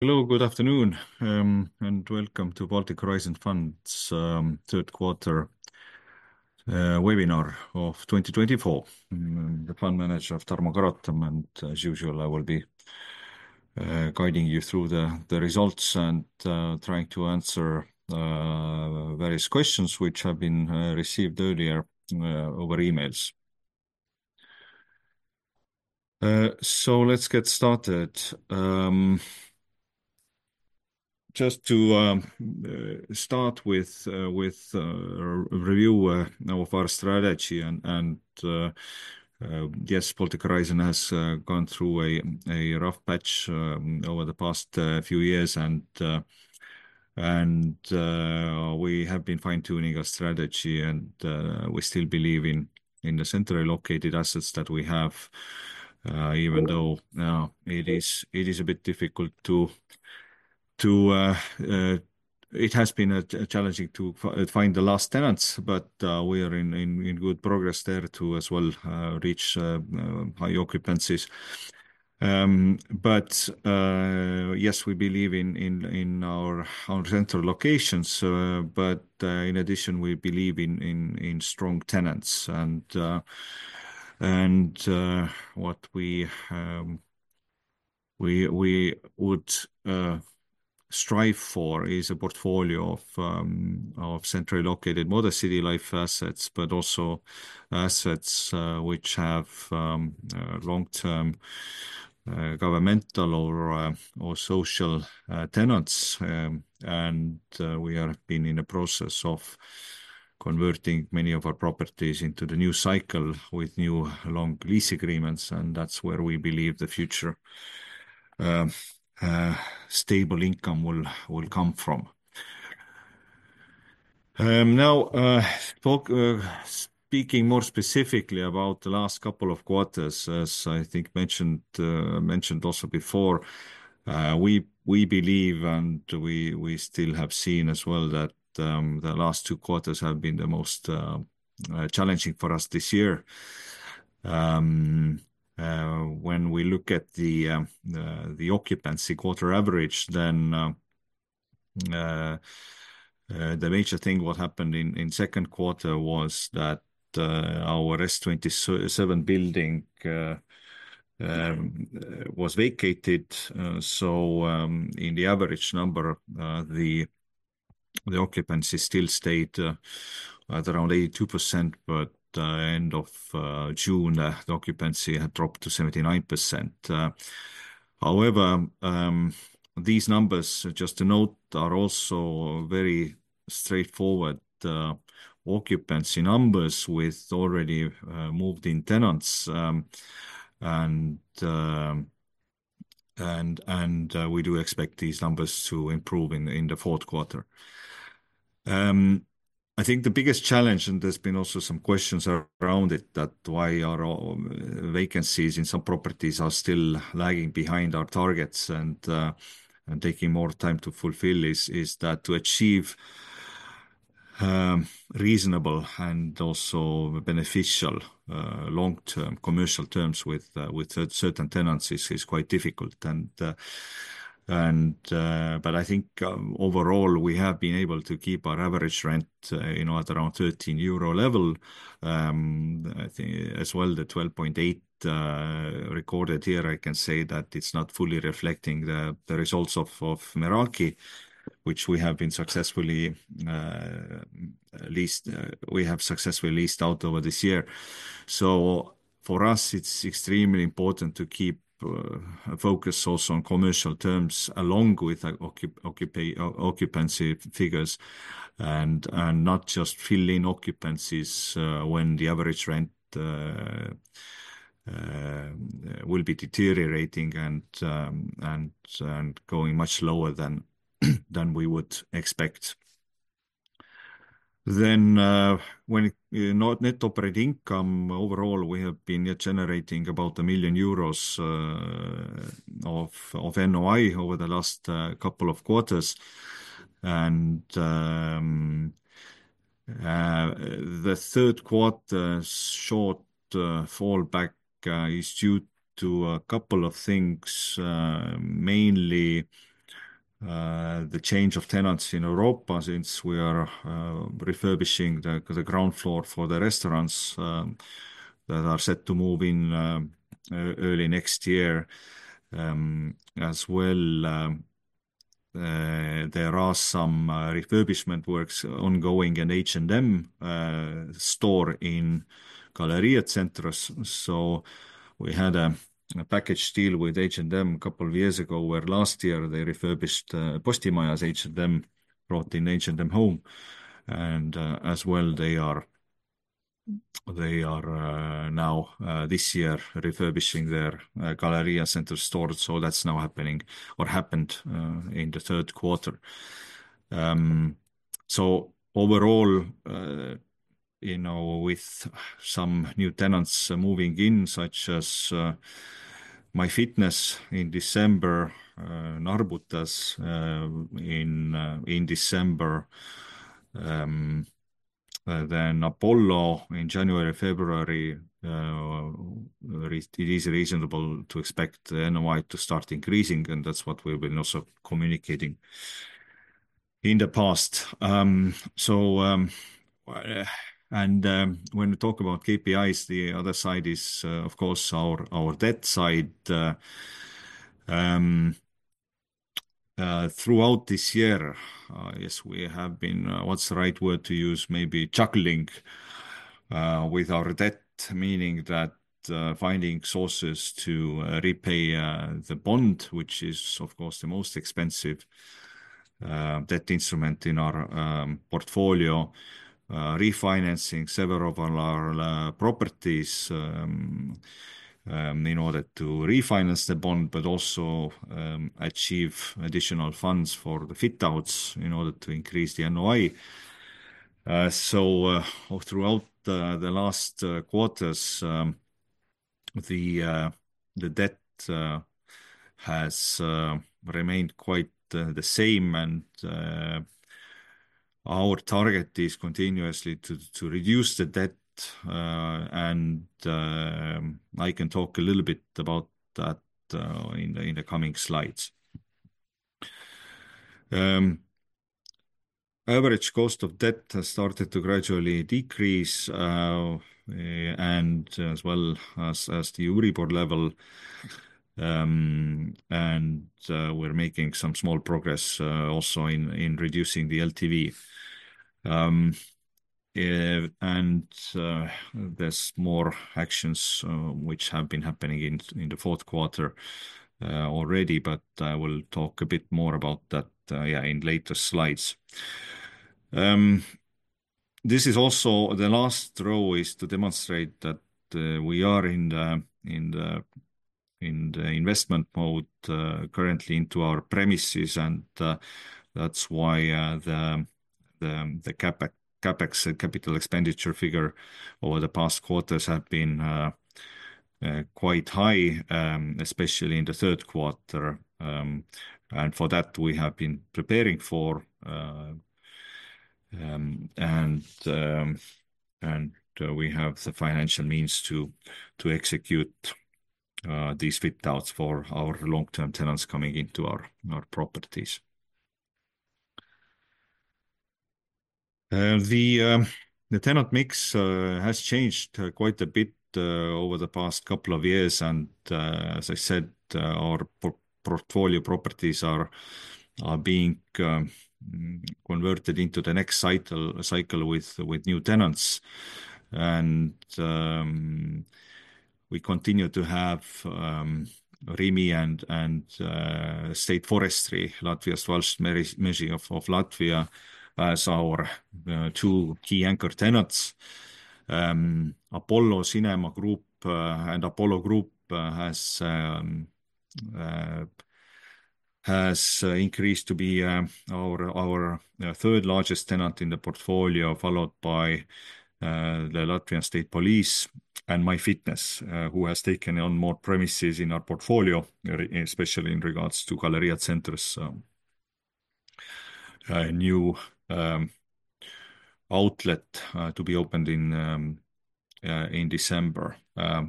Hello, good afternoon, and welcome to Baltic Horizon Fund's third quarter webinar of 2024. I'm the Fund Manager of Tarmo Karotam, and as usual, I will be guiding you through the results and trying to answer various questions which have been received earlier over emails. Let's get started. Just to start with a review now of our strategy, and yes, Baltic Horizon has gone through a rough patch over the past few years and we have been fine-tuning our strategy and we still believe in the centrally located assets that we have. Even though now it has been challenging to find the last tenants, but we are in good progress there to as well reach high occupancies. Yes, we believe in our central locations, but in addition, we believe in strong tenants. What we would strive for is a portfolio of centrally located modern city life assets, but also assets which have long-term governmental or social tenants, and we have been in a process of converting many of our properties into the new cycle with new long lease agreements, and that's where we believe the future stable income will come from. Speaking more specifically about the last couple of quarters, as I think mentioned also before, we believe, and we still have seen as well that the last two quarters have been the most challenging for us this year. When we look at the occupancy quarter average, then the major thing what happened in second quarter was that our S27 building was vacated. In the average number, the occupancy still stayed at around 82%, but end of June, the occupancy had dropped to 79%. These numbers, just to note, are also very straightforward occupancy numbers with already moved-in tenants, and we do expect these numbers to improve in the fourth quarter. I think the biggest challenge, and there's been also some questions around it, that why are vacancies in some properties are still lagging behind our targets and taking more time to fulfill is that to achieve reasonable and also beneficial long-term commercial terms with certain tenancies is quite difficult. I think overall we have been able to keep our average rent at around 13 euro level. As well, the 12.8 recorded here, I can say that it's not fully reflecting the results of Meraki, which we have successfully leased out over this year. For us, it's extremely important to keep a focus also on commercial terms along with occupancy figures and not just fill in occupancies when the average rent will be deteriorating and going much lower than we would expect. Net operating income, overall, we have been generating about 1 million euros of NOI over the last couple of quarters, and the third quarter short fallback is due to a couple of things. Mainly, the change of tenants in Europa since we are refurbishing the ground floor for the restaurants that are set to move in early next year. There are some refurbishment works ongoing in H&M store in Galerija Centrs. We had a package deal with H&M a couple of years ago, where last year they refurbished Postimaja, H&M brought in H&M Home. As well, they are now, this year, refurbishing their Galerija Centrs store. That's now happening or happened in the third quarter. Overall, with some new tenants moving in, such as MyFitness in December, NARBUTAS in December, Apollo in January, February, it is reasonable to expect NOI to start increasing. That's what we've been also communicating in the past. When we talk about KPIs, the other side is, of course, our debt side. Throughout this year, I guess we have been, what's the right word to use? Maybe juggling with our debt, meaning that finding sources to repay the bond, which is, of course, the most expensive debt instrument in our portfolio, refinancing several of our properties in order to refinance the bond, but also achieve additional funds for the fit-outs in order to increase the NOI. Throughout the last quarters, the debt has remained quite the same and our target is continuously to reduce the debt. I can talk a little bit about that in the coming slides. Average cost of debt has started to gradually decrease, as well as the EURIBOR level. We're making some small progress also in reducing the LTV. There's more actions which have been happening in the fourth quarter already, but I will talk a bit more about that in later slides. The last row is to demonstrate that we are in the investment mode currently into our premises, and that's why the CapEx, capital expenditure figure over the past quarters have been quite high, especially in the third quarter. For that, we have been preparing for and we have the financial means to execute these fit-outs for our long-term tenants coming into our properties. The tenant mix has changed quite a bit over the past couple of years, as I said, our portfolio properties are being converted into the next cycle with new tenants. We continue to have Rimi and State Forestry, Latvijas Valsts meži of Latvia, as our two key anchor tenants. Apollo Cinema Group and Apollo Group has increased to be our third largest tenant in the portfolio, followed by the Latvian State Police and MyFitness, who has taken on more premises in our portfolio, especially in regards to Galerija Centrs' new outlet to be opened in December. Our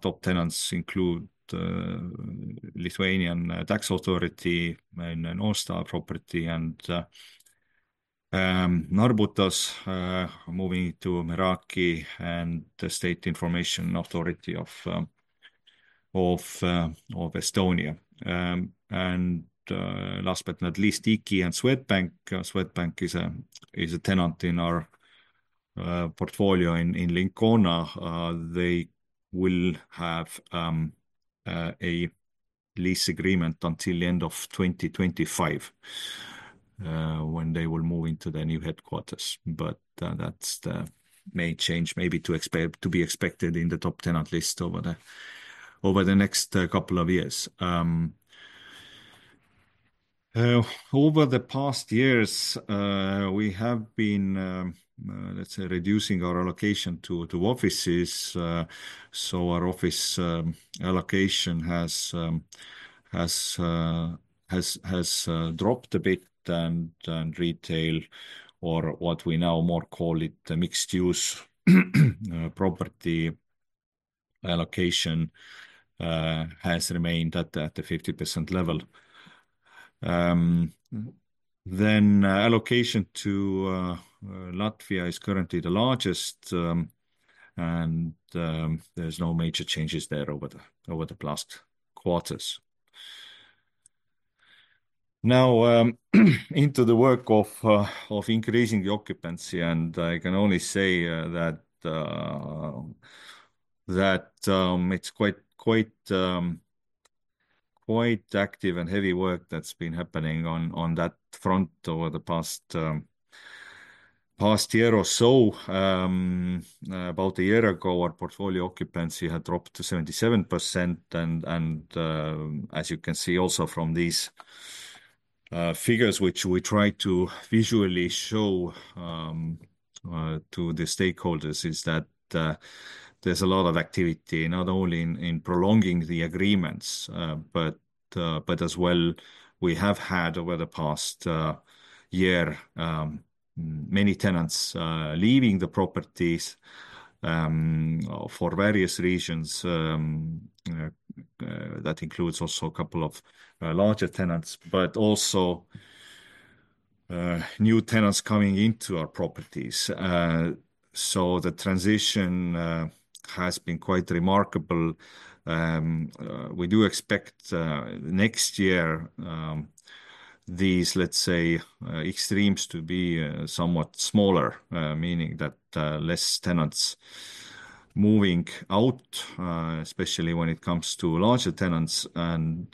top tenants include Lithuanian Tax Authority in a North Star property, and NARBUTAS moving to Meraki and the State Information Authority of Estonia. Last but not least, IKI and Swedbank. Swedbank is a tenant in our portfolio in Lincona. They will have a lease agreement until the end of 2025, when they will move into their new headquarters. That may change, maybe to be expected in the top 10 at least over the next couple of years. Over the past years, we have been, let's say, reducing our allocation to offices. Our office allocation has dropped a bit, and retail or what we now more call it, the mixed-use property allocation has remained at the 50% level. Allocation to Latvia is currently the largest, and there's no major changes there over the past quarters. Into the work of increasing the occupancy, and I can only say that it's quite active and heavy work that's been happening on that front over the past year or so. About a year ago, our portfolio occupancy had dropped to 77%. As you can see also from these figures, which we try to visually show to the stakeholders, is that there's a lot of activity, not only in prolonging the agreements but as well, we have had over the past year, many tenants leaving the properties for various reasons. That includes also a couple of larger tenants, but also new tenants coming into our properties. The transition has been quite remarkable. We do expect next year these, let's say, extremes to be somewhat smaller, meaning that less tenants moving out, especially when it comes to larger tenants, and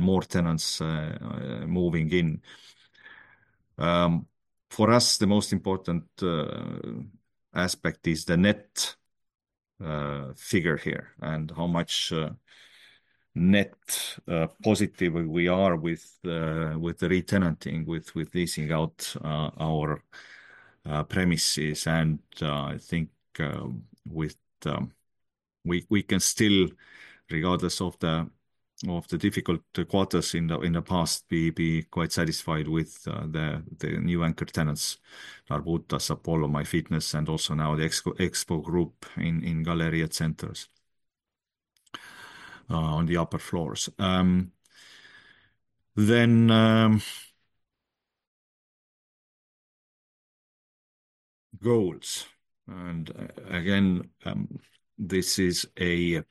more tenants moving in. For us, the most important aspect is the net figure here and how much net positive we are with the re-tenanting, with leasing out our premises. I think we can still, regardless of the difficult quarters in the past, be quite satisfied with the new anchor tenants, NARBUTAS, Apollo, MyFitness, and also now The Expo Group in Galerija Centrs on the upper floors. Goals, again, this is, I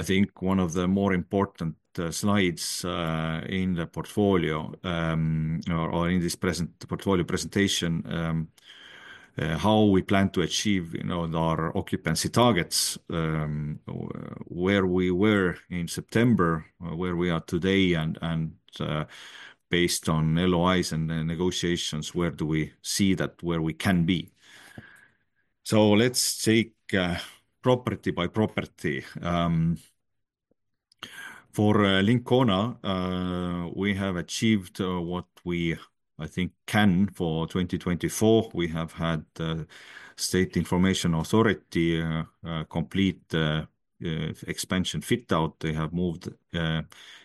think, one of the more important slides in the portfolio or in this portfolio presentation. How we plan to achieve our occupancy targets, where we were in September, where we are today, and based on LOIs and negotiations, where do we see that where we can be. Let's take property by property. For Lincona, we have achieved what we, I think, can for 2024. We have had the State Information Authority complete expansion fit-out. They have moved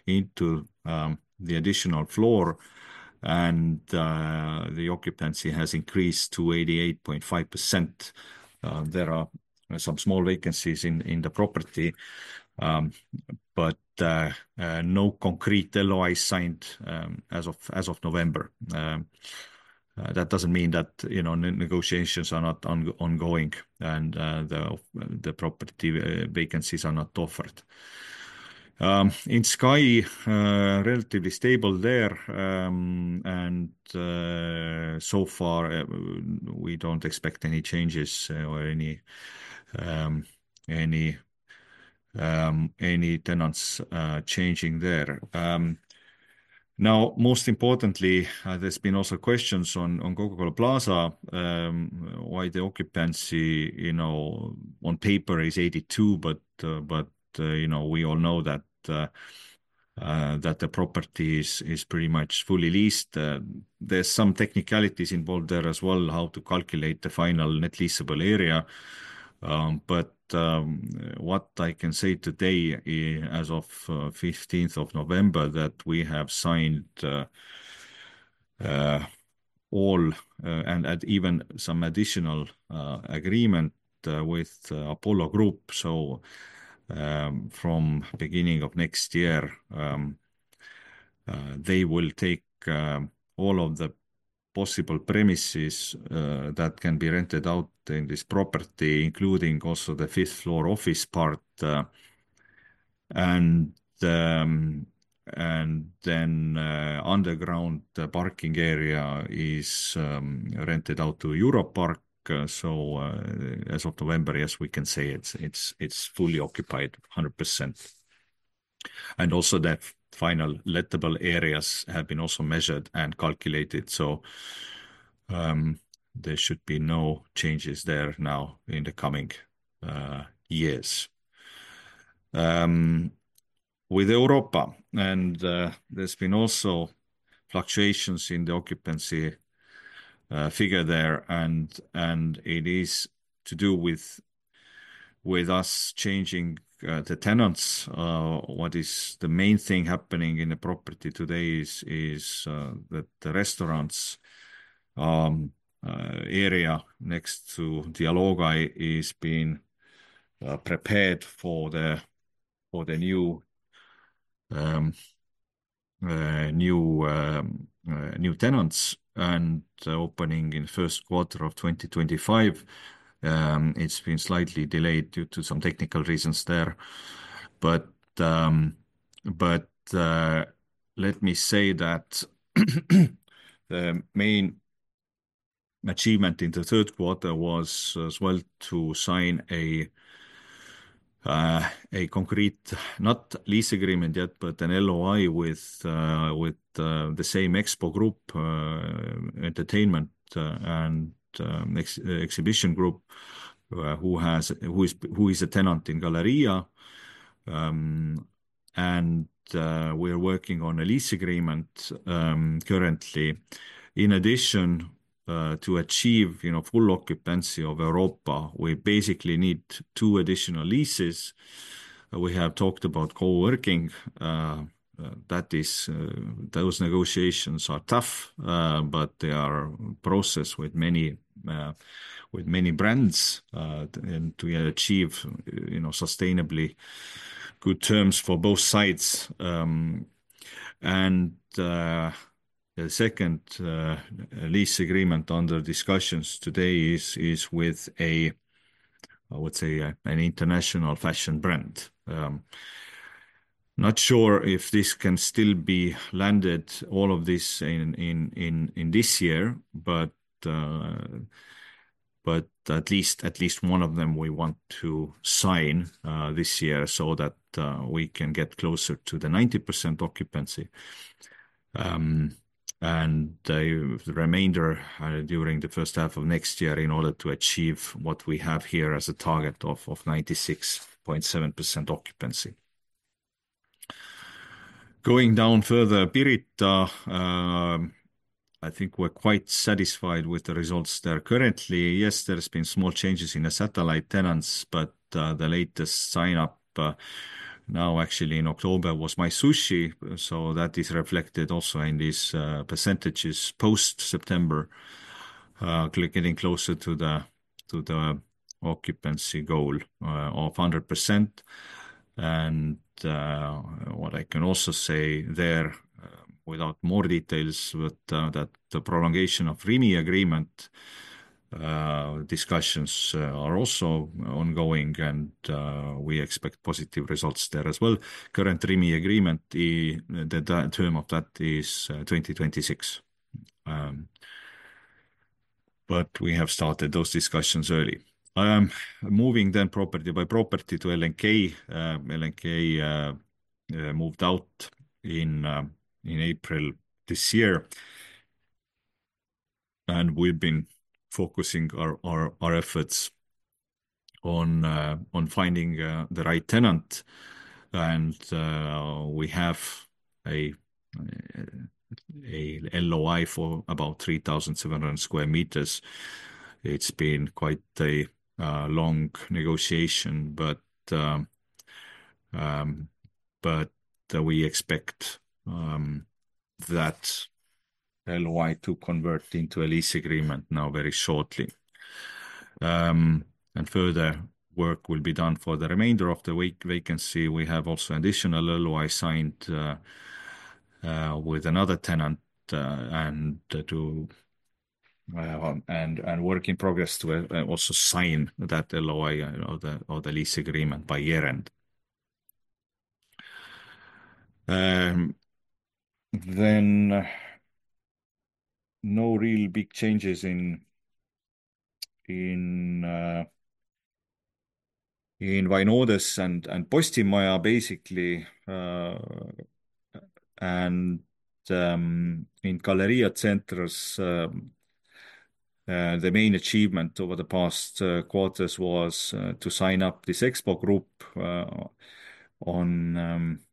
into the additional floor, the occupancy has increased to 88.5%. There are some small vacancies in the property, no concrete LOI signed as of November. That doesn't mean that negotiations are not ongoing and the property vacancies are not offered. In Sky, relatively stable there. So far, we don't expect any changes or any tenants changing there. Most importantly, there's been also questions on Coca-Cola Plaza, why the occupancy on paper is 82%. We all know that the property is pretty much fully leased. There's some technicalities involved there as well, how to calculate the final net leasable area. What I can say today as of 15th of November, that we have signed all and even some additional agreement with Apollo Group. From beginning of next year, they will take all of the possible premises that can be rented out in this property, including also the fifth-floor office part. Underground parking area is rented out to Europark. As of November, yes, we can say it's fully occupied 100%. Also that final lettable areas have been also measured and calculated, so there should be no changes there now in the coming years. With Europa, and there's been also fluctuations in the occupancy figure there, and it is to do with us changing the tenants. What is the main thing happening in the property today is that the restaurants area next to Dialogai is being prepared for the new tenants and opening in first quarter of 2025. It's been slightly delayed due to some technical reasons there. Let me say that the main achievement in the third quarter was as well to sign a concrete, not lease agreement yet, but an LOI with the same Expo Group, entertainment and exhibition group, who is a tenant in Galerija. We're working on a lease agreement currently. In addition, to achieve full occupancy of Europa, we basically need two additional leases. We have talked about co-working. Those negotiations are tough, but they are processed with many brands, and we achieve sustainably good terms for both sides. The second lease agreement under discussions today is with, I would say, an international fashion brand. Not sure if this can still be landed, all of this, in this year, but at least one of them we want to sign this year so that we can get closer to the 90% occupancy. The remainder during the first half of next year in order to achieve what we have here as a target of 96.7% occupancy. Going down further, Pirita, I think we're quite satisfied with the results there currently. Yes, there has been small changes in the satellite tenants, but the latest sign-up now actually in October was MySushi, so that is reflected also in these percentages post-September, getting closer to the occupancy goal of 100%. What I can also say there, without more details, but that the prolongation of Rimi agreement discussions are also ongoing, and we expect positive results there as well. Current Rimi agreement, the term of that is 2026. We have started those discussions early. Moving property by property to LNK. LNK moved out in April this year, and we've been focusing our efforts on finding the right tenant, and we have a LOI for about 3,700 sq m. It's been quite a long negotiation, but we expect that LOI to convert into a lease agreement now very shortly. Further work will be done for the remainder of the vacancy. We have also additional LOI signed with another tenant and work in progress to also sign that LOI or the lease agreement by year-end. No real big changes in Vainodes and Postimaja, basically. In Galerija Centrs, the main achievement over the past quarters was to sign up this Expo Group on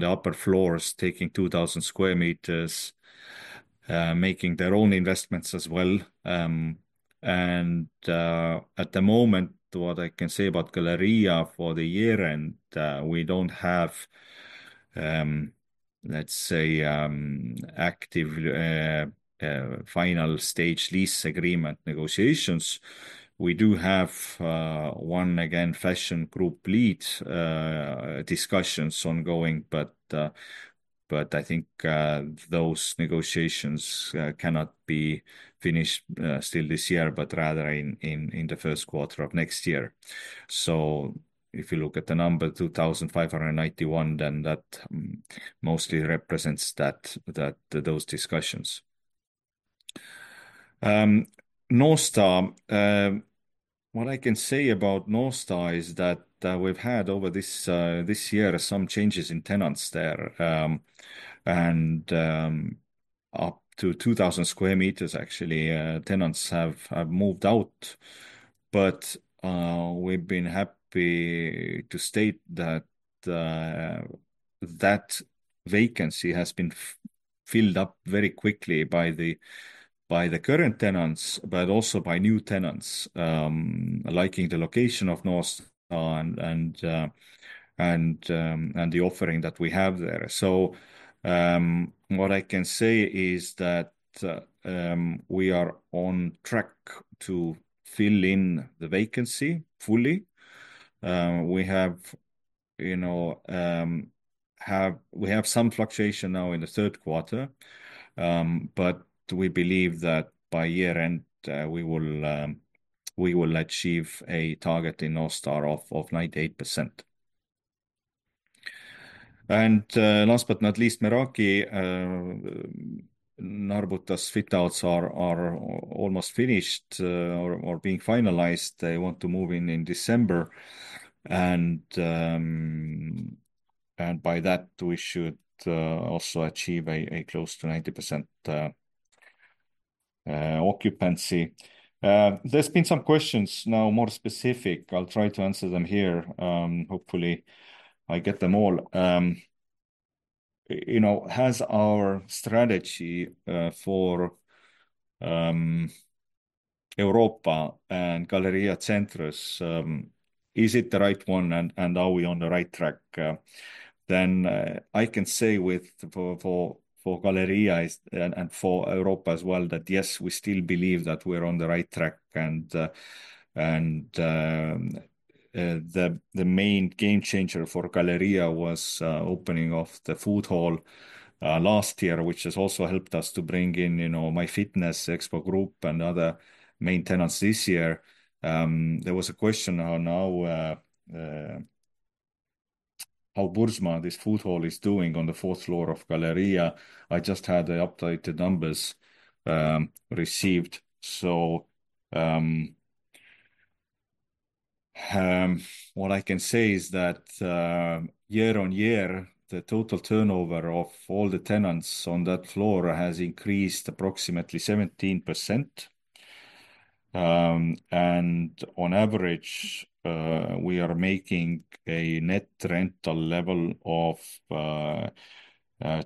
the upper floors, taking 2,000 sq m, making their own investments as well. At the moment, what I can say about Galerija for the year-end, we don't have, let's say, active final stage lease agreement negotiations. We do have one, again, fashion group lead discussions ongoing, but I think those negotiations cannot be finished still this year, but rather in the first quarter of next year. If you look at the number 2,591, then that mostly represents those discussions. North Star. What I can say about North Star is that we've had, over this year, some changes in tenants there, and up to 2,000 sq m, actually, tenants have moved out. We've been happy to state that that vacancy has been filled up very quickly by the current tenants, but also by new tenants liking the location of North Star and the offering that we have there. What I can say is that we are on track to fill in the vacancy fully. We have some fluctuation now in the third quarter, but we believe that by year-end, we will achieve a target in North Star of 98%. Last but not least, Meraki. NARBUTAS fit outs are almost finished or being finalized. They want to move in in December, by that, we should also achieve a close to 90% occupancy. There's been some questions now more specific. I'll try to answer them here. Hopefully, I get them all. Has our strategy for Europa and Galerija Centrs, is it the right one, and are we on the right track? I can say with, for Galerija and for Europa as well, that, yes, we still believe that we're on the right track. The main game changer for Galerija was opening of the food hall last year, which has also helped us to bring in MyFitness, Expo Group, and other main tenants this year. There was a question on how BURZMA, this food hall, is doing on the fourth floor of Galerija. I just had the updated numbers received. What I can say is that, year-on-year, the total turnover of all the tenants on that floor has increased approximately 17%. On average, we are making a net rental level of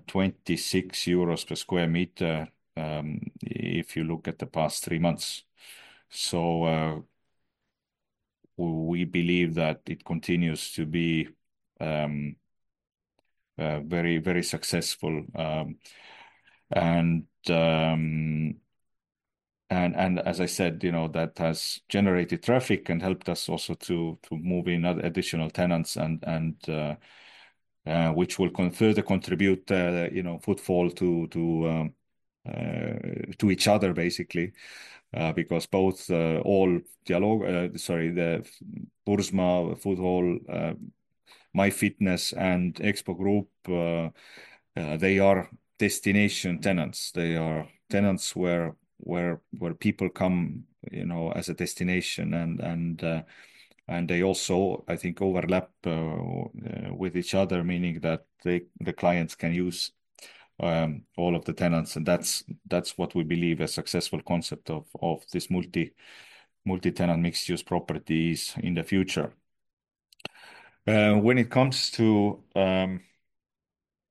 26 euros per square meter, if you look at the past three months. We believe that it continues to be very successful. As I said, that has generated traffic and helped us also to move in additional tenants, which will further contribute footfall to each other, basically. Because all Dialoga, the BURZMA food hall, MyFitness, and Expo Group, they are destination tenants. They are tenants where people come as a destination. They also, I think, overlap with each other, meaning that the clients can use all of the tenants. That's what we believe a successful concept of these multi-tenant mixed-use properties in the future. When it comes to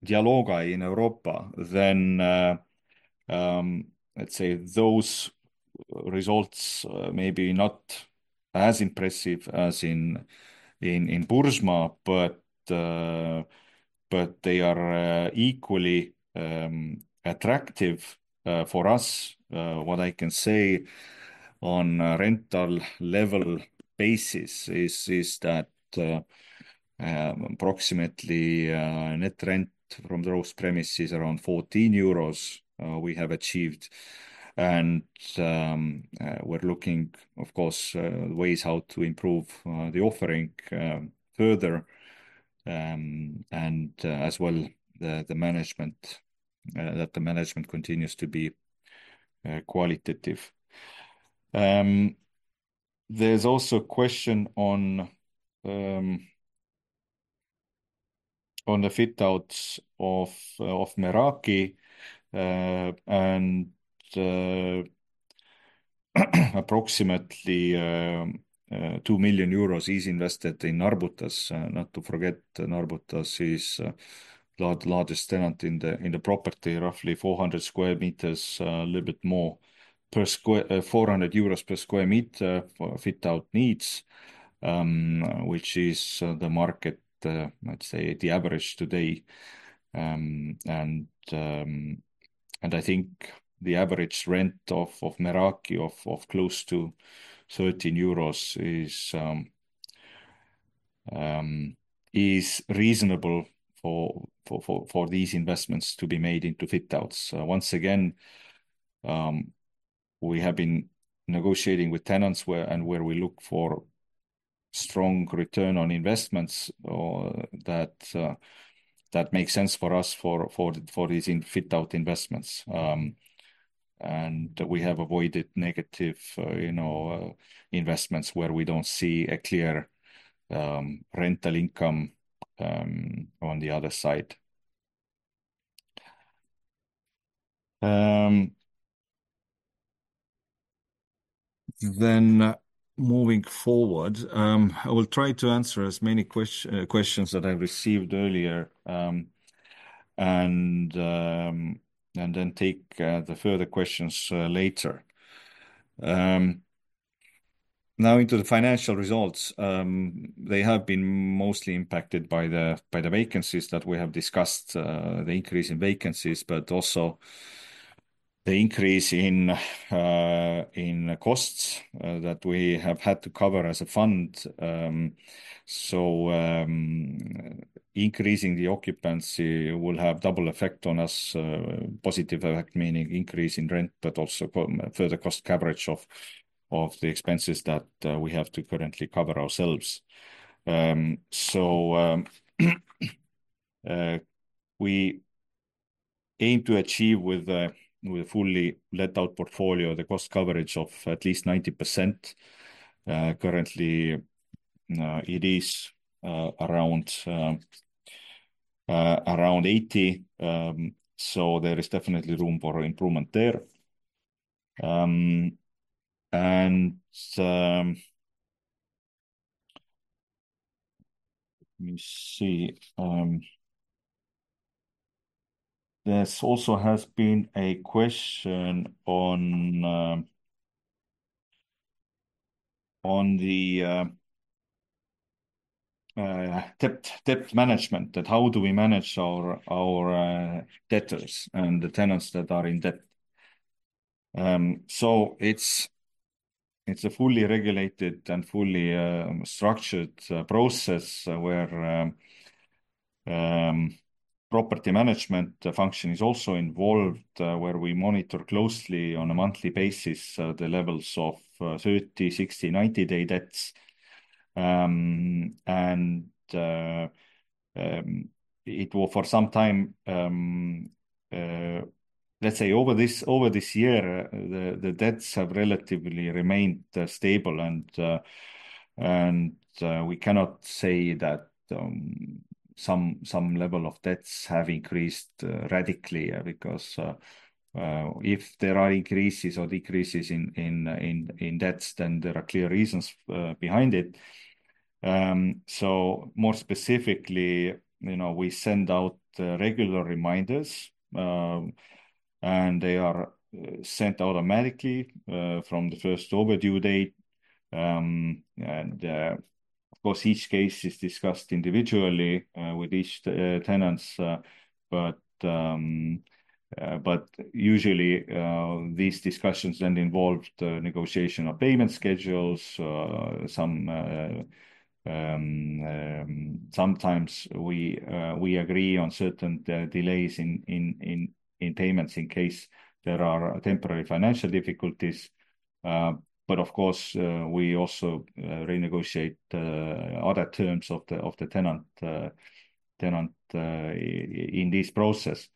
Dialoga in Europa, let's say those results may be not as impressive as in BURZMA, but they are equally attractive for us. What I can say on a rental level basis is that approximately net rent from those premises, around 14 euros we have achieved. We're looking, of course, ways how to improve the offering further, and as well that the management continues to be qualitative. There's also a question on the fit-outs of Meraki, and approximately EUR 2 million is invested in NARBUTAS. Not to forget, NARBUTAS is largest tenant in the property, roughly 400 sq m, a little bit more, 400 euros per square meter for fit-out needs, which is the market, let's say, the average today. I think the average rent of Meraki of close to EUR 30 is reasonable for these investments to be made into fit-outs. Once again, we have been negotiating with tenants and where we look for strong return on investments or that makes sense for us for these fit-out investments. We have avoided negative investments where we don't see a clear rental income on the other side. Moving forward, I will try to answer as many questions that I received earlier, and then take the further questions later. Now into the financial results. They have been mostly impacted by the vacancies that we have discussed, the increase in vacancies, but also the increase in costs that we have had to cover as a fund. Increasing the occupancy will have double effect on us. Positive effect, meaning increase in rent, but also further cost coverage of the expenses that we have to currently cover ourselves. We aim to achieve with a fully let-out portfolio, the cost coverage of at least 90%. Currently, it is around 80%, so there is definitely room for improvement there. Let me see. There also has been a question on the debt management, that how do we manage our debtors and the tenants that are in debt. It's a fully regulated and fully structured process where property management function is also involved, where we monitor closely on a monthly basis the levels of 30, 60, 90-day debts. Let's say, over this year, the debts have relatively remained stable, and we cannot say that some level of debts have increased radically, because if there are increases or decreases in debts, then there are clear reasons behind it. More specifically, we send out regular reminders, and they are sent automatically from the first overdue date. Of course, each case is discussed individually with each tenants. Usually, these discussions then involve the negotiation of payment schedules. Sometimes we agree on certain delays in payments in case there are temporary financial difficulties. Of course, we also renegotiate other terms of the tenant in this process.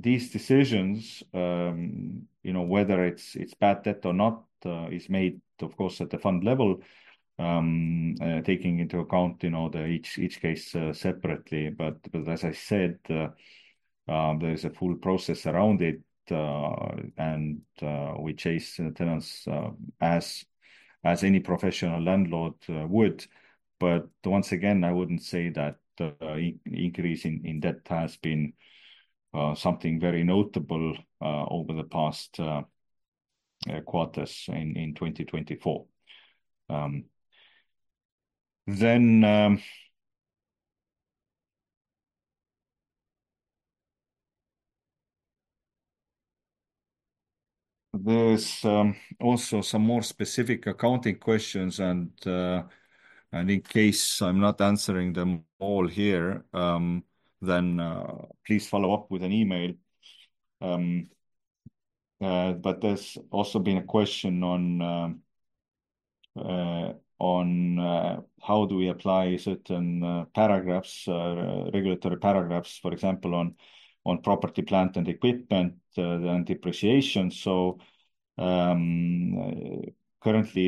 These decisions, whether it's bad debt or not, is made, of course, at the fund level, taking into account each case separately. As I said, there is a full process around it, and we chase tenants as any professional landlord would. Once again, I wouldn't say that increase in debt has been something very notable over the past quarters in 2024. There's also some more specific accounting questions and, in case I'm not answering them all here, then please follow-up with an email. There's also been a question on how do we apply certain regulatory paragraphs, for example, on property, plant, and equipment, and depreciation. Currently,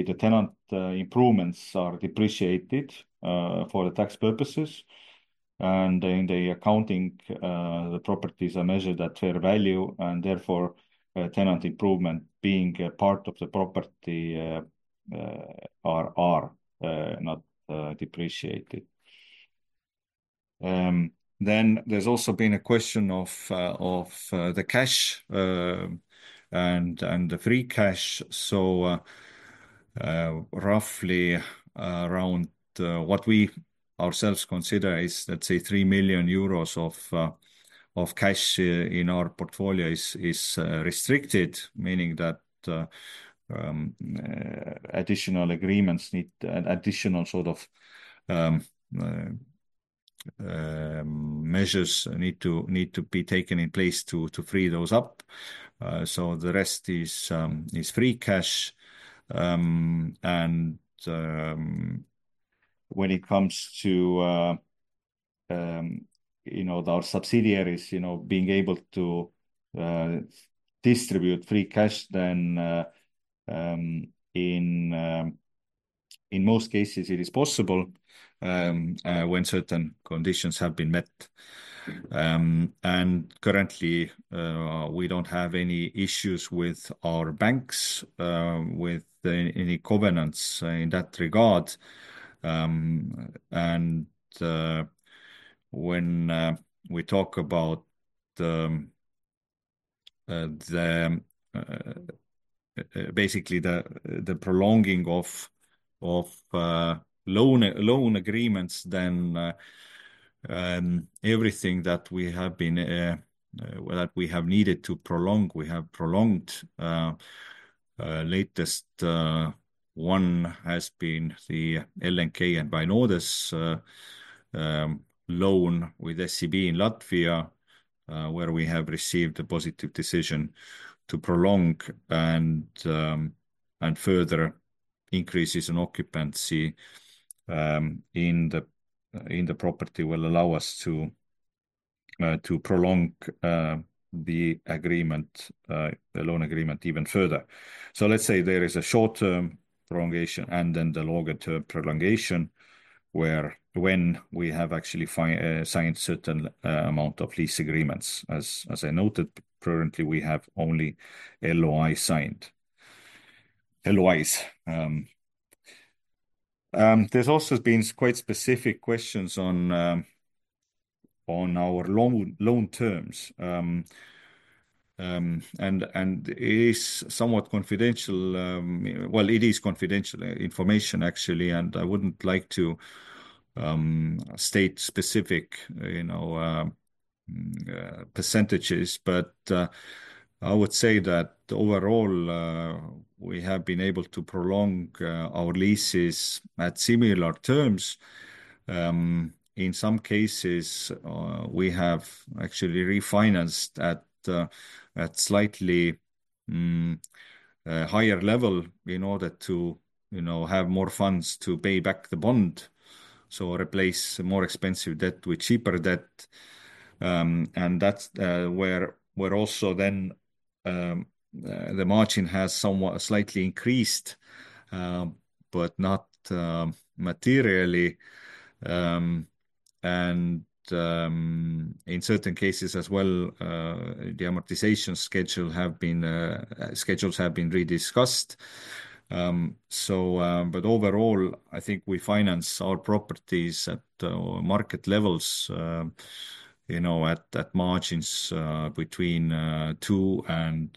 the tenant improvements are depreciated for the tax purposes, and in the accounting, the properties are measured at fair value, and therefore, tenant improvement being a part of the property are not depreciated. There's also been a question of the cash and the free cash. Roughly around what we ourselves consider is, let's say, 3 million euros of cash in our portfolio is restricted, meaning that additional agreements need an additional sort of measures need to be taken in place to free those up. The rest is free cash. When it comes to our subsidiaries being able to distribute free cash, then in most cases, it is possible when certain conditions have been met. Currently, we don't have any issues with our banks, with any covenants in that regard. When we talk about the prolonging of loan agreements, everything that we have needed to prolong, we have prolonged. Latest one has been the LNK and Vainodes loan with SEB in Latvia, where we have received a positive decision to prolong and further increases in occupancy in the property will allow us to prolong the loan agreement even further. Let's say there is a short-term prolongation and the longer term prolongation where when we have actually signed certain amount of lease agreements. As I noted, currently, we have only LOI signed. LOIs. There's also been quite specific questions on our loan terms. It is somewhat confidential. Well, it is confidential information, actually, I wouldn't like to state specific percentages. I would say that overall, we have been able to prolong our leases at similar terms. In some cases, we have actually refinanced at slightly higher level in order to have more funds to pay back the bond, so replace more expensive debt with cheaper debt. That's where also then the margin has somewhat slightly increased, but not materially. In certain cases as well, the amortization schedules have been rediscussed. Overall, I think we finance our properties at market levels, at margins between 2% and,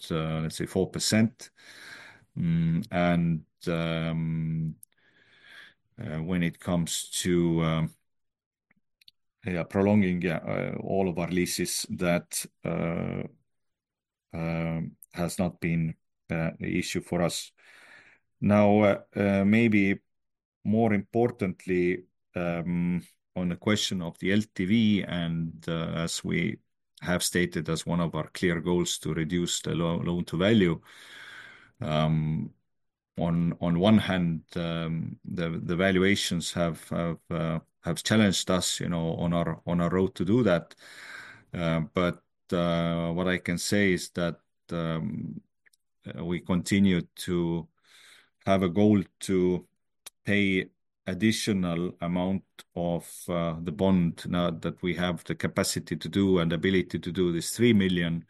let's say, 4%. When it comes to prolonging all of our leases, that has not been a issue for us. Now, maybe more importantly, on the question of the LTV, and as we have stated as one of our clear goals to reduce the loan-to-value. On one hand, the valuations have challenged us on our road to do that. What I can say is that we continue to have a goal to pay additional amount of the bond now that we have the capacity to do and ability to do this 3 million.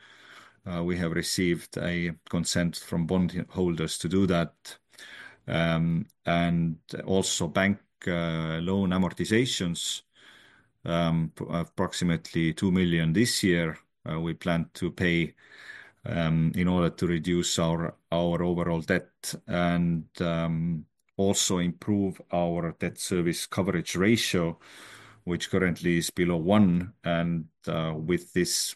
We have received a consent from bondholders to do that. Bank loan amortizations, approximately 2 million this year, we plan to pay in order to reduce our overall debt and also improve our debt-service coverage ratio, which currently is below one. With this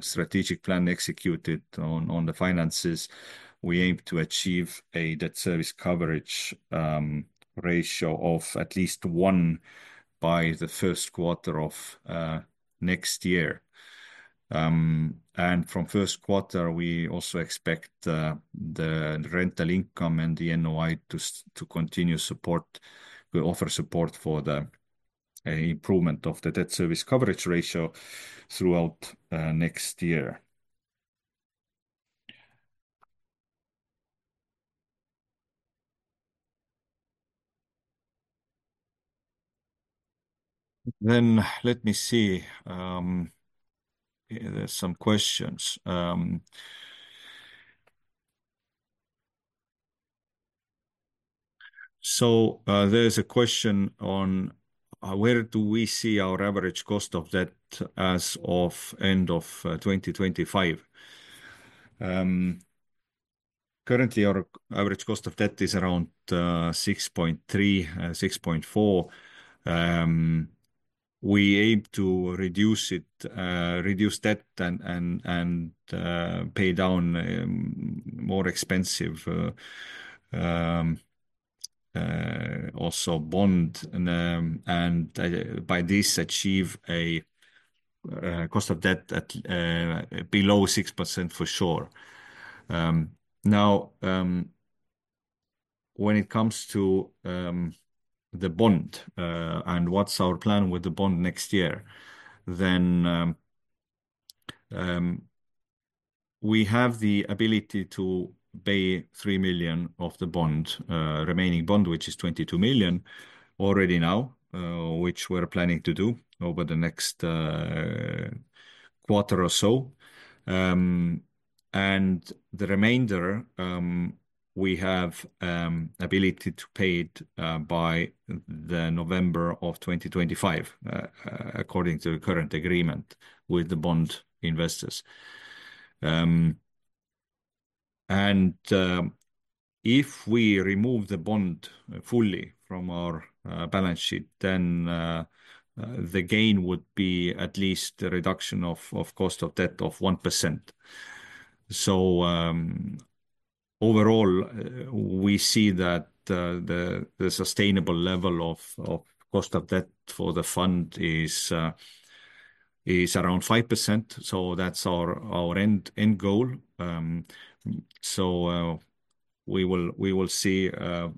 strategic plan executed on the finances, we aim to achieve a debt-service coverage ratio of at least one by the first quarter of next year. From first quarter, we also expect the rental income and the NOI to continue support. We offer support for the improvement of the debt-service coverage ratio throughout next year. Let me see. There's some questions. There's a question on where do we see our average cost of debt as of end of 2025? Currently, our average cost of debt is around 6.3%, 6.4%. We aim to reduce debt and pay down more expensive also bond, and by this, achieve a cost of debt at below 6% for sure. When it comes to the bond and what's our plan with the bond next year, then we have the ability to pay 3 million of the remaining bond, which is 22 million already now, which we're planning to do over the next quarter or so. The remainder, we have ability to pay it by the November of 2025, according to the current agreement with the bond investors. If we remove the bond fully from our balance sheet, then the gain would be at least a reduction of cost of debt of 1%. Overall, we see that the sustainable level of cost of debt for the fund is around 5%, so that's our end goal. We will see,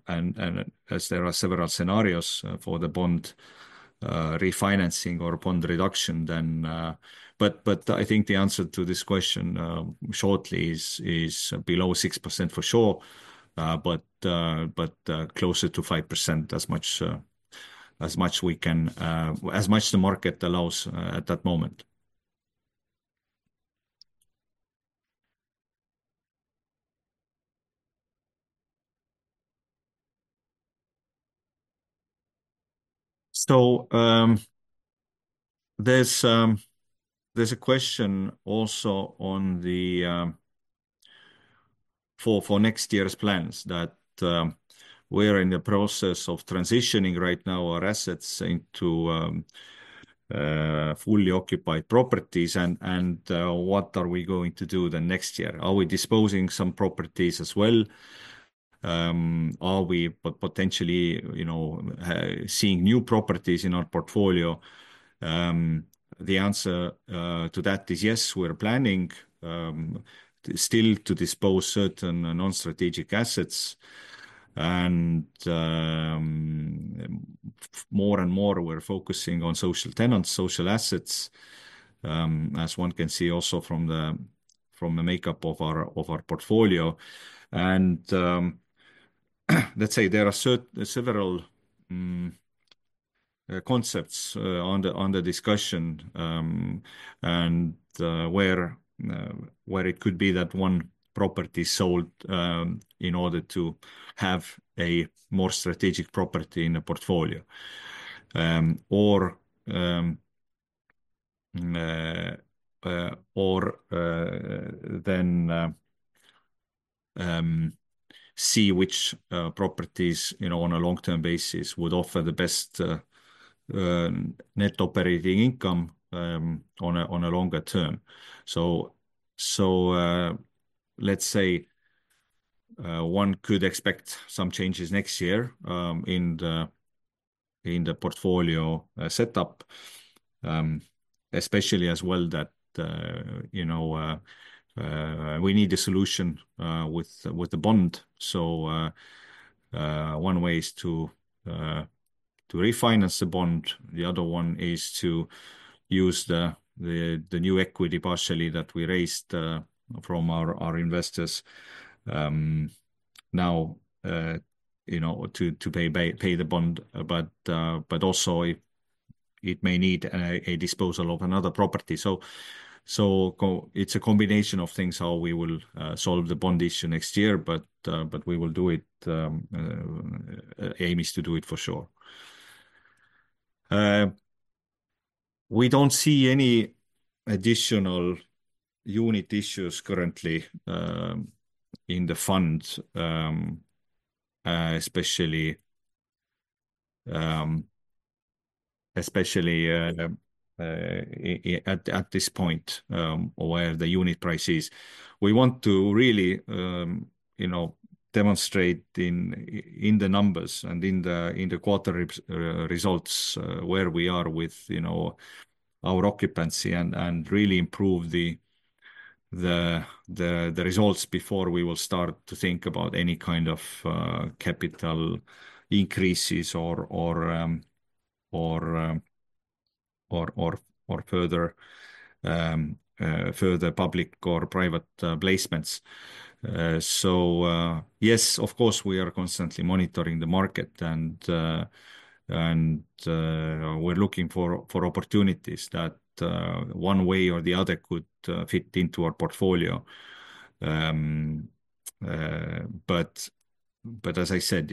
as there are several scenarios for the bond refinancing or bond reduction then. I think the answer to this question shortly is below 6% for sure, but closer to 5%, as much the market allows at that moment. There's a question also on for next year's plans that we're in the process of transitioning right now our assets into fully occupied properties and what are we going to do then next year. Are we disposing some properties as well? Are we potentially seeing new properties in our portfolio? The answer to that is yes, we're planning still to dispose certain non-strategic assets, and more and more we're focusing on social tenants, social assets, as one can see also from the makeup of our portfolio. Let's say there are several concepts on the discussion, where it could be that one property sold in order to have a more strategic property in a portfolio. See which properties on a long-term basis would offer the best net operating income on a longer term. Let's say one could expect some changes next year in the portfolio setup, especially as well that we need a solution with the bond. One way is to refinance the bond, the other one is to use the new equity partially that we raised from our investors now to pay the bond. Also it may need a disposal of another property. It's a combination of things how we will solve the bond issue next year, but we will do it. Aim is to do it for sure. We don't see any additional unit issues currently in the fund, especially at this point, where the unit price is. We want to really demonstrate in the numbers and in the quarter results where we are with our occupancy and really improve the results before we will start to think about any kind of capital increases or further public or private placements. Yes, of course, we are constantly monitoring the market and we're looking for opportunities that one way or the other could fit into our portfolio. As I said,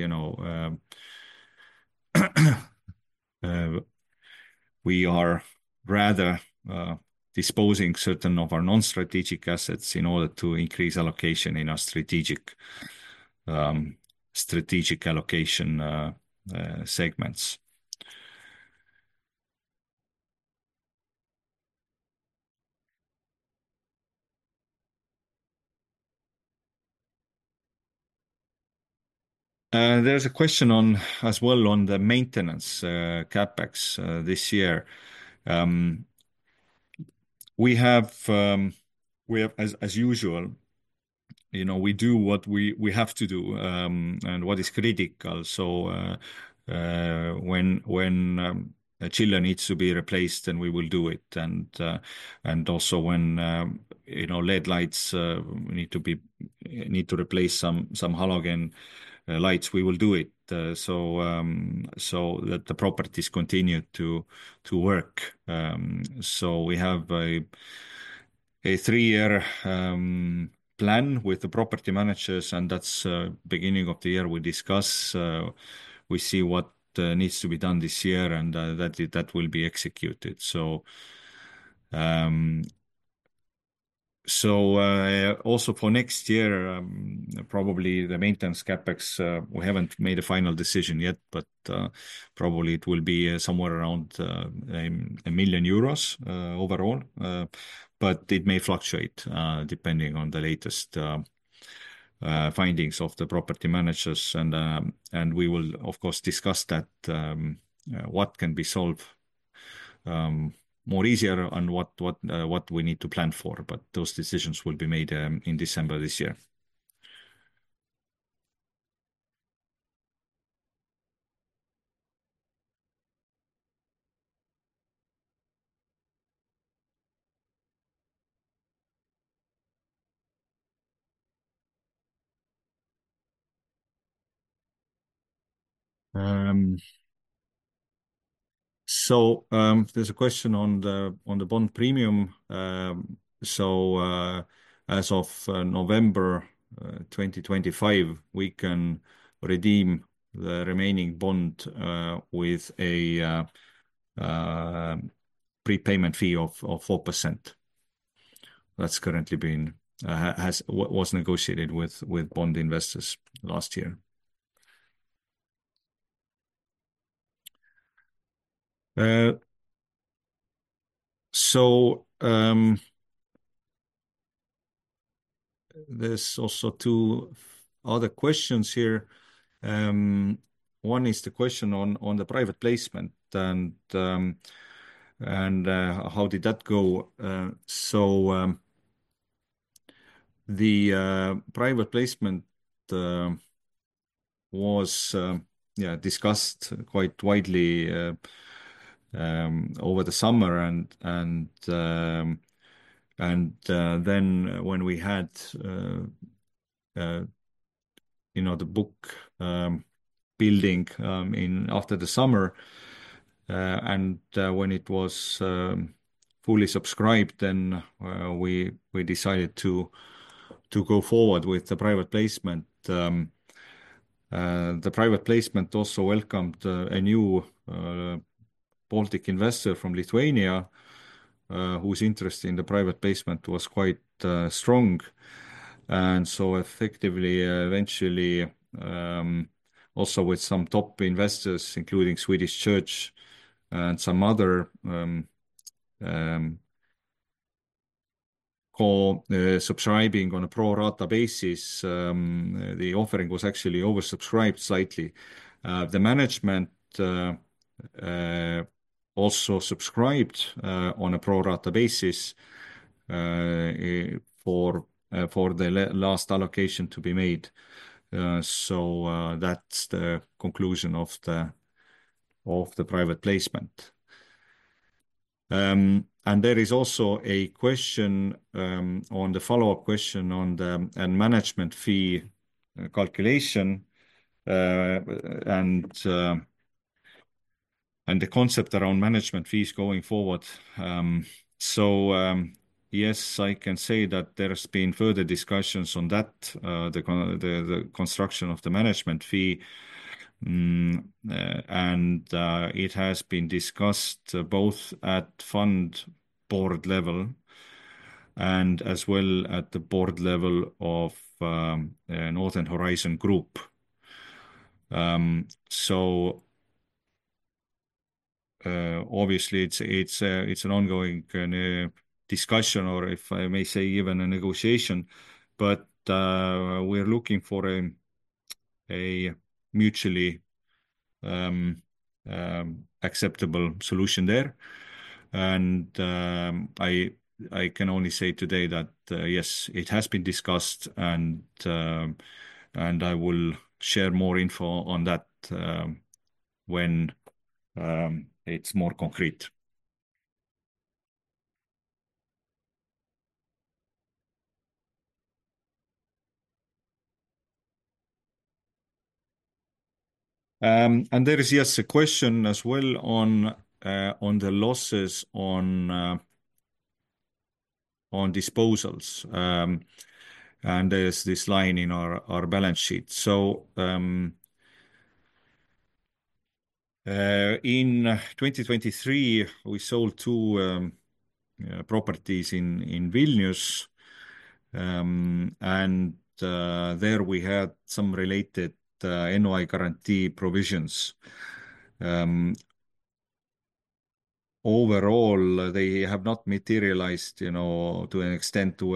we are rather disposing certain of our non-strategic assets in order to increase allocation in our strategic allocation segments. There's a question as well on the maintenance CapEx this year. We have, as usual, we do what we have to do and what is critical. When a chiller needs to be replaced, then we will do it, and also when LED lights need to replace some halogen lights, we will do it, so that the properties continue to work. We have a three-year plan with the property managers, and that's beginning of the year, we discuss, we see what needs to be done this year, and that will be executed. Also for next year, probably the maintenance CapEx, we haven't made a final decision yet, but probably it will be somewhere around 1 million euros overall. It may fluctuate depending on the latest findings of the property managers, and we will, of course, discuss that, what can be solved more easily on what we need to plan for, but those decisions will be made in December this year. There's a question on the bond premium. As of November 2025, we can redeem the remaining bond with a prepayment fee of 4%. That was negotiated with bond investors last year. There's also two other questions here. One is the question on the private placement and how did that go. The private placement was discussed quite widely over the summer and when we had the book building after the summer and when it was fully subscribed, we decided to go forward with the private placement. The private placement also welcomed a new Baltic investor from Lithuania, whose interest in the private placement was quite strong, effectively, eventually, also with some top investors, including Swedish Church and some other subscribing on a pro rata basis, the offering was actually oversubscribed slightly. The management also subscribed on a pro rata basis for the last allocation to be made. That's the conclusion of the private placement. There is also a follow-up question on the management fee calculation and the concept around management fees going forward. Yes, I can say that there has been further discussions on that, the construction of the management fee. It has been discussed both at fund board level and as well at the board level of Northern Horizon Group. Obviously it's an ongoing discussion or if I may say, even a negotiation, but we're looking for a mutually acceptable solution there. I can only say today that, yes, it has been discussed and I will share more info on that when it's more concrete. There is, yes, a question as well on the losses on disposals. There's this line in our balance sheet. In 2023, we sold two properties in Vilnius, and there we had some related NOI guarantee provisions. Overall, they have not materialized to an extent to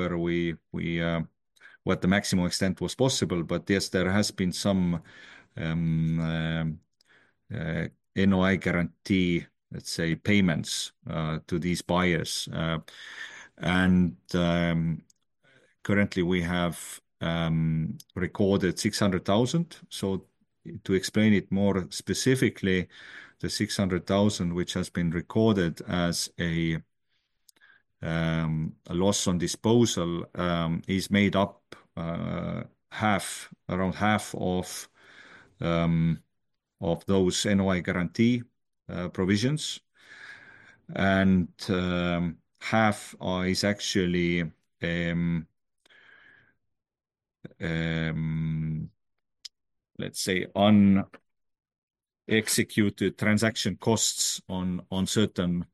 what the maximum extent was possible. Yes, there has been some NOI guarantee, let's say, payments to these buyers. Currently we have recorded 600,000. To explain it more specifically, the 600,000 which has been recorded as a loss on disposal is made up around half of those NOI guarantee provisions and half is actually, let's say, executed transaction costs on certain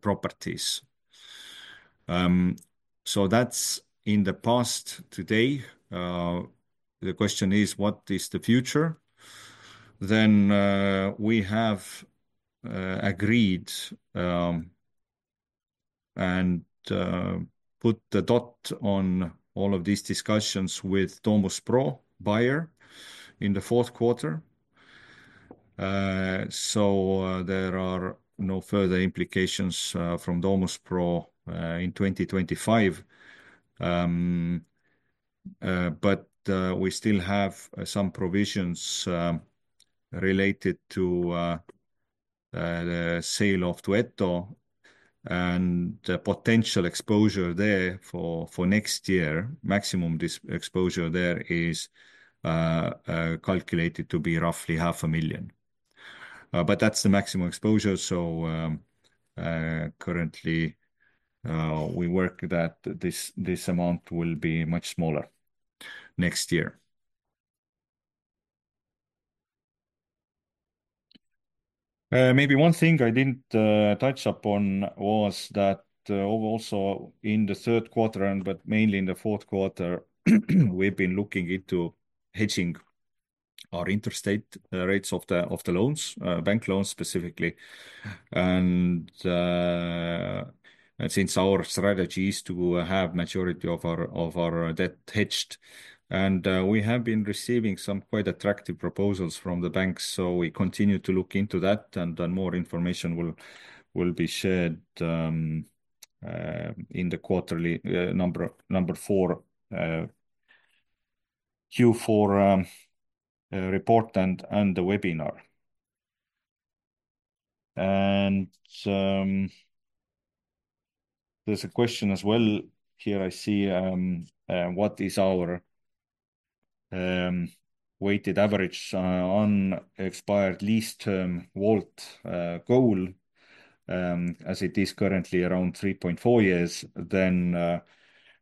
properties. That's in the past today. The question is, what is the future? We have agreed and put the dot on all of these discussions with Domus PRO buyer in the fourth quarter. There are no further implications from Domus PRO in 2025. We still have some provisions related to the sale of Duetto and the potential exposure there for next year. Maximum exposure there is calculated to be roughly 500,000. That's the maximum exposure, so currently, we work that this amount will be much smaller next year. Maybe one thing I didn't touch upon was that also in the third quarter but mainly in the fourth quarter, we've been looking into hedging our interest rates of the loans, bank loans specifically. Since our strategy is to have majority of our debt hedged, we have been receiving some quite attractive proposals from the banks. We continue to look into that. More information will be shared in the quarterly number four, Q4 report and the webinar. There's a question as well here I see, what is our Weighted Average Unexpired Lease Term WAULT goal? As it is currently around 3.4 years,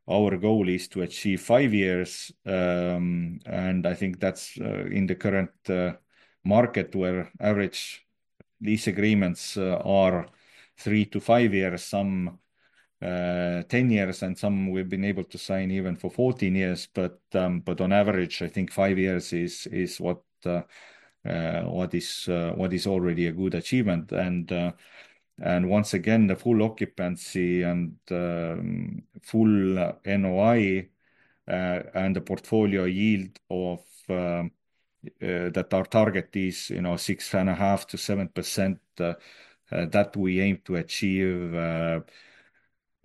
our goal is to achieve five years. I think that's in the current market where average lease agreements are three to five years, some 10 years, and some we've been able to sign even for 14 years. On average, I think five years is what is already a good achievement. Once again, the full occupancy and full NOI, and the portfolio yield of, that our target is 6.5%-7% that we aim to achieve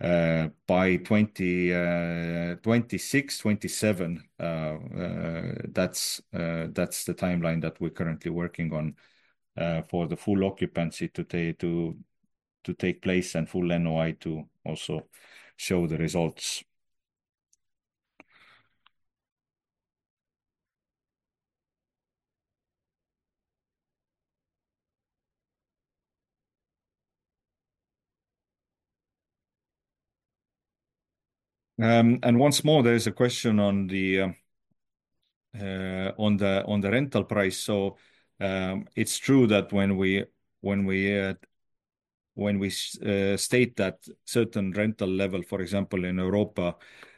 by 2026-2027. That's the timeline that we're currently working on for the full occupancy to take place and full NOI to also show the results. Once more, there is a question on the rental price. It's true that when we state that certain rental level, for example, in Europa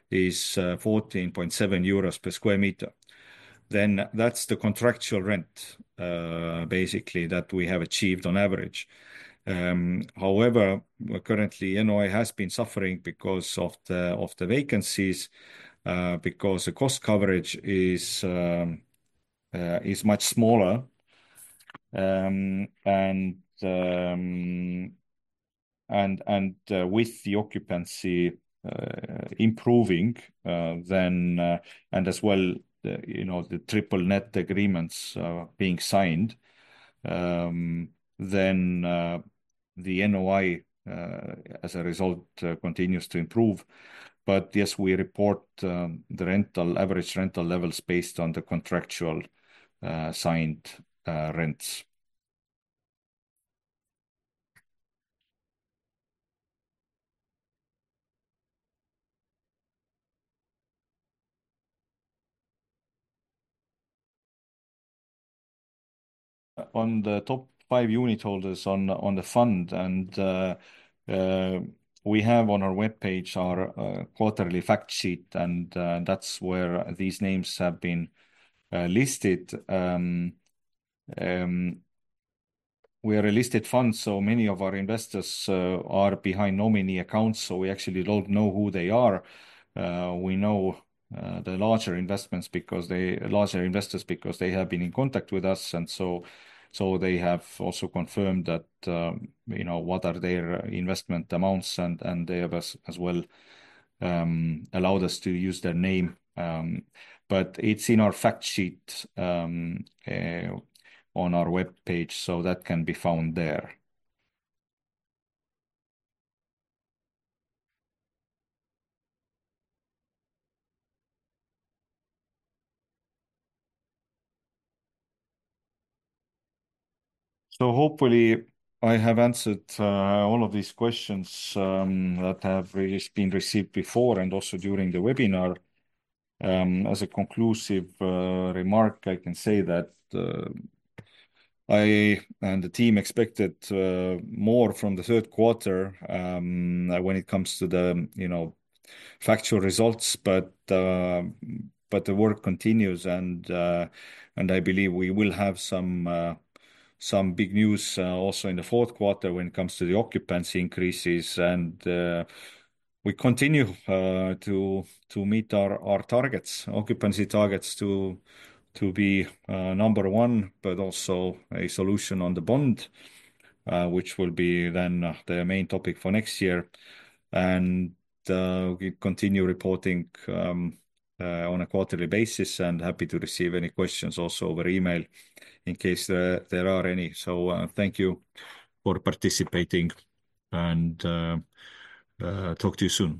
is 14.7 euros per square meter, then that's the contractual rent, basically that we have achieved on average. However, currently, NOI has been suffering because of the vacancies, because the cost coverage is much smaller. With the occupancy improving, as well the triple net agreements being signed, the NOI, as a result, continues to improve. Yes, we report the average rental levels based on the contractual signed rents. On the top five unit holders on the fund, and we have on our webpage our quarterly fact sheet, and that's where these names have been listed. We are a listed fund, many of our investors are behind nominee accounts, we actually don't know who they are. We know the larger investors because they have been in contact with us. They have also confirmed what are their investment amounts, they have as well allowed us to use their name. It's in our fact sheet on our webpage, that can be found there. Hopefully I have answered all of these questions that have been received before and also during the webinar. As a conclusive remark, I can say that I and the team expected more from the third quarter, when it comes to the factual results. The work continues and I believe we will have some big news also in the fourth quarter when it comes to the occupancy increases. We continue to meet our targets, occupancy targets to be number one, but also a solution on the bond, which will be then the main topic for next year. We continue reporting on a quarterly basis, and happy to receive any questions also over email in case there are any. Thank you for participating and talk to you soon.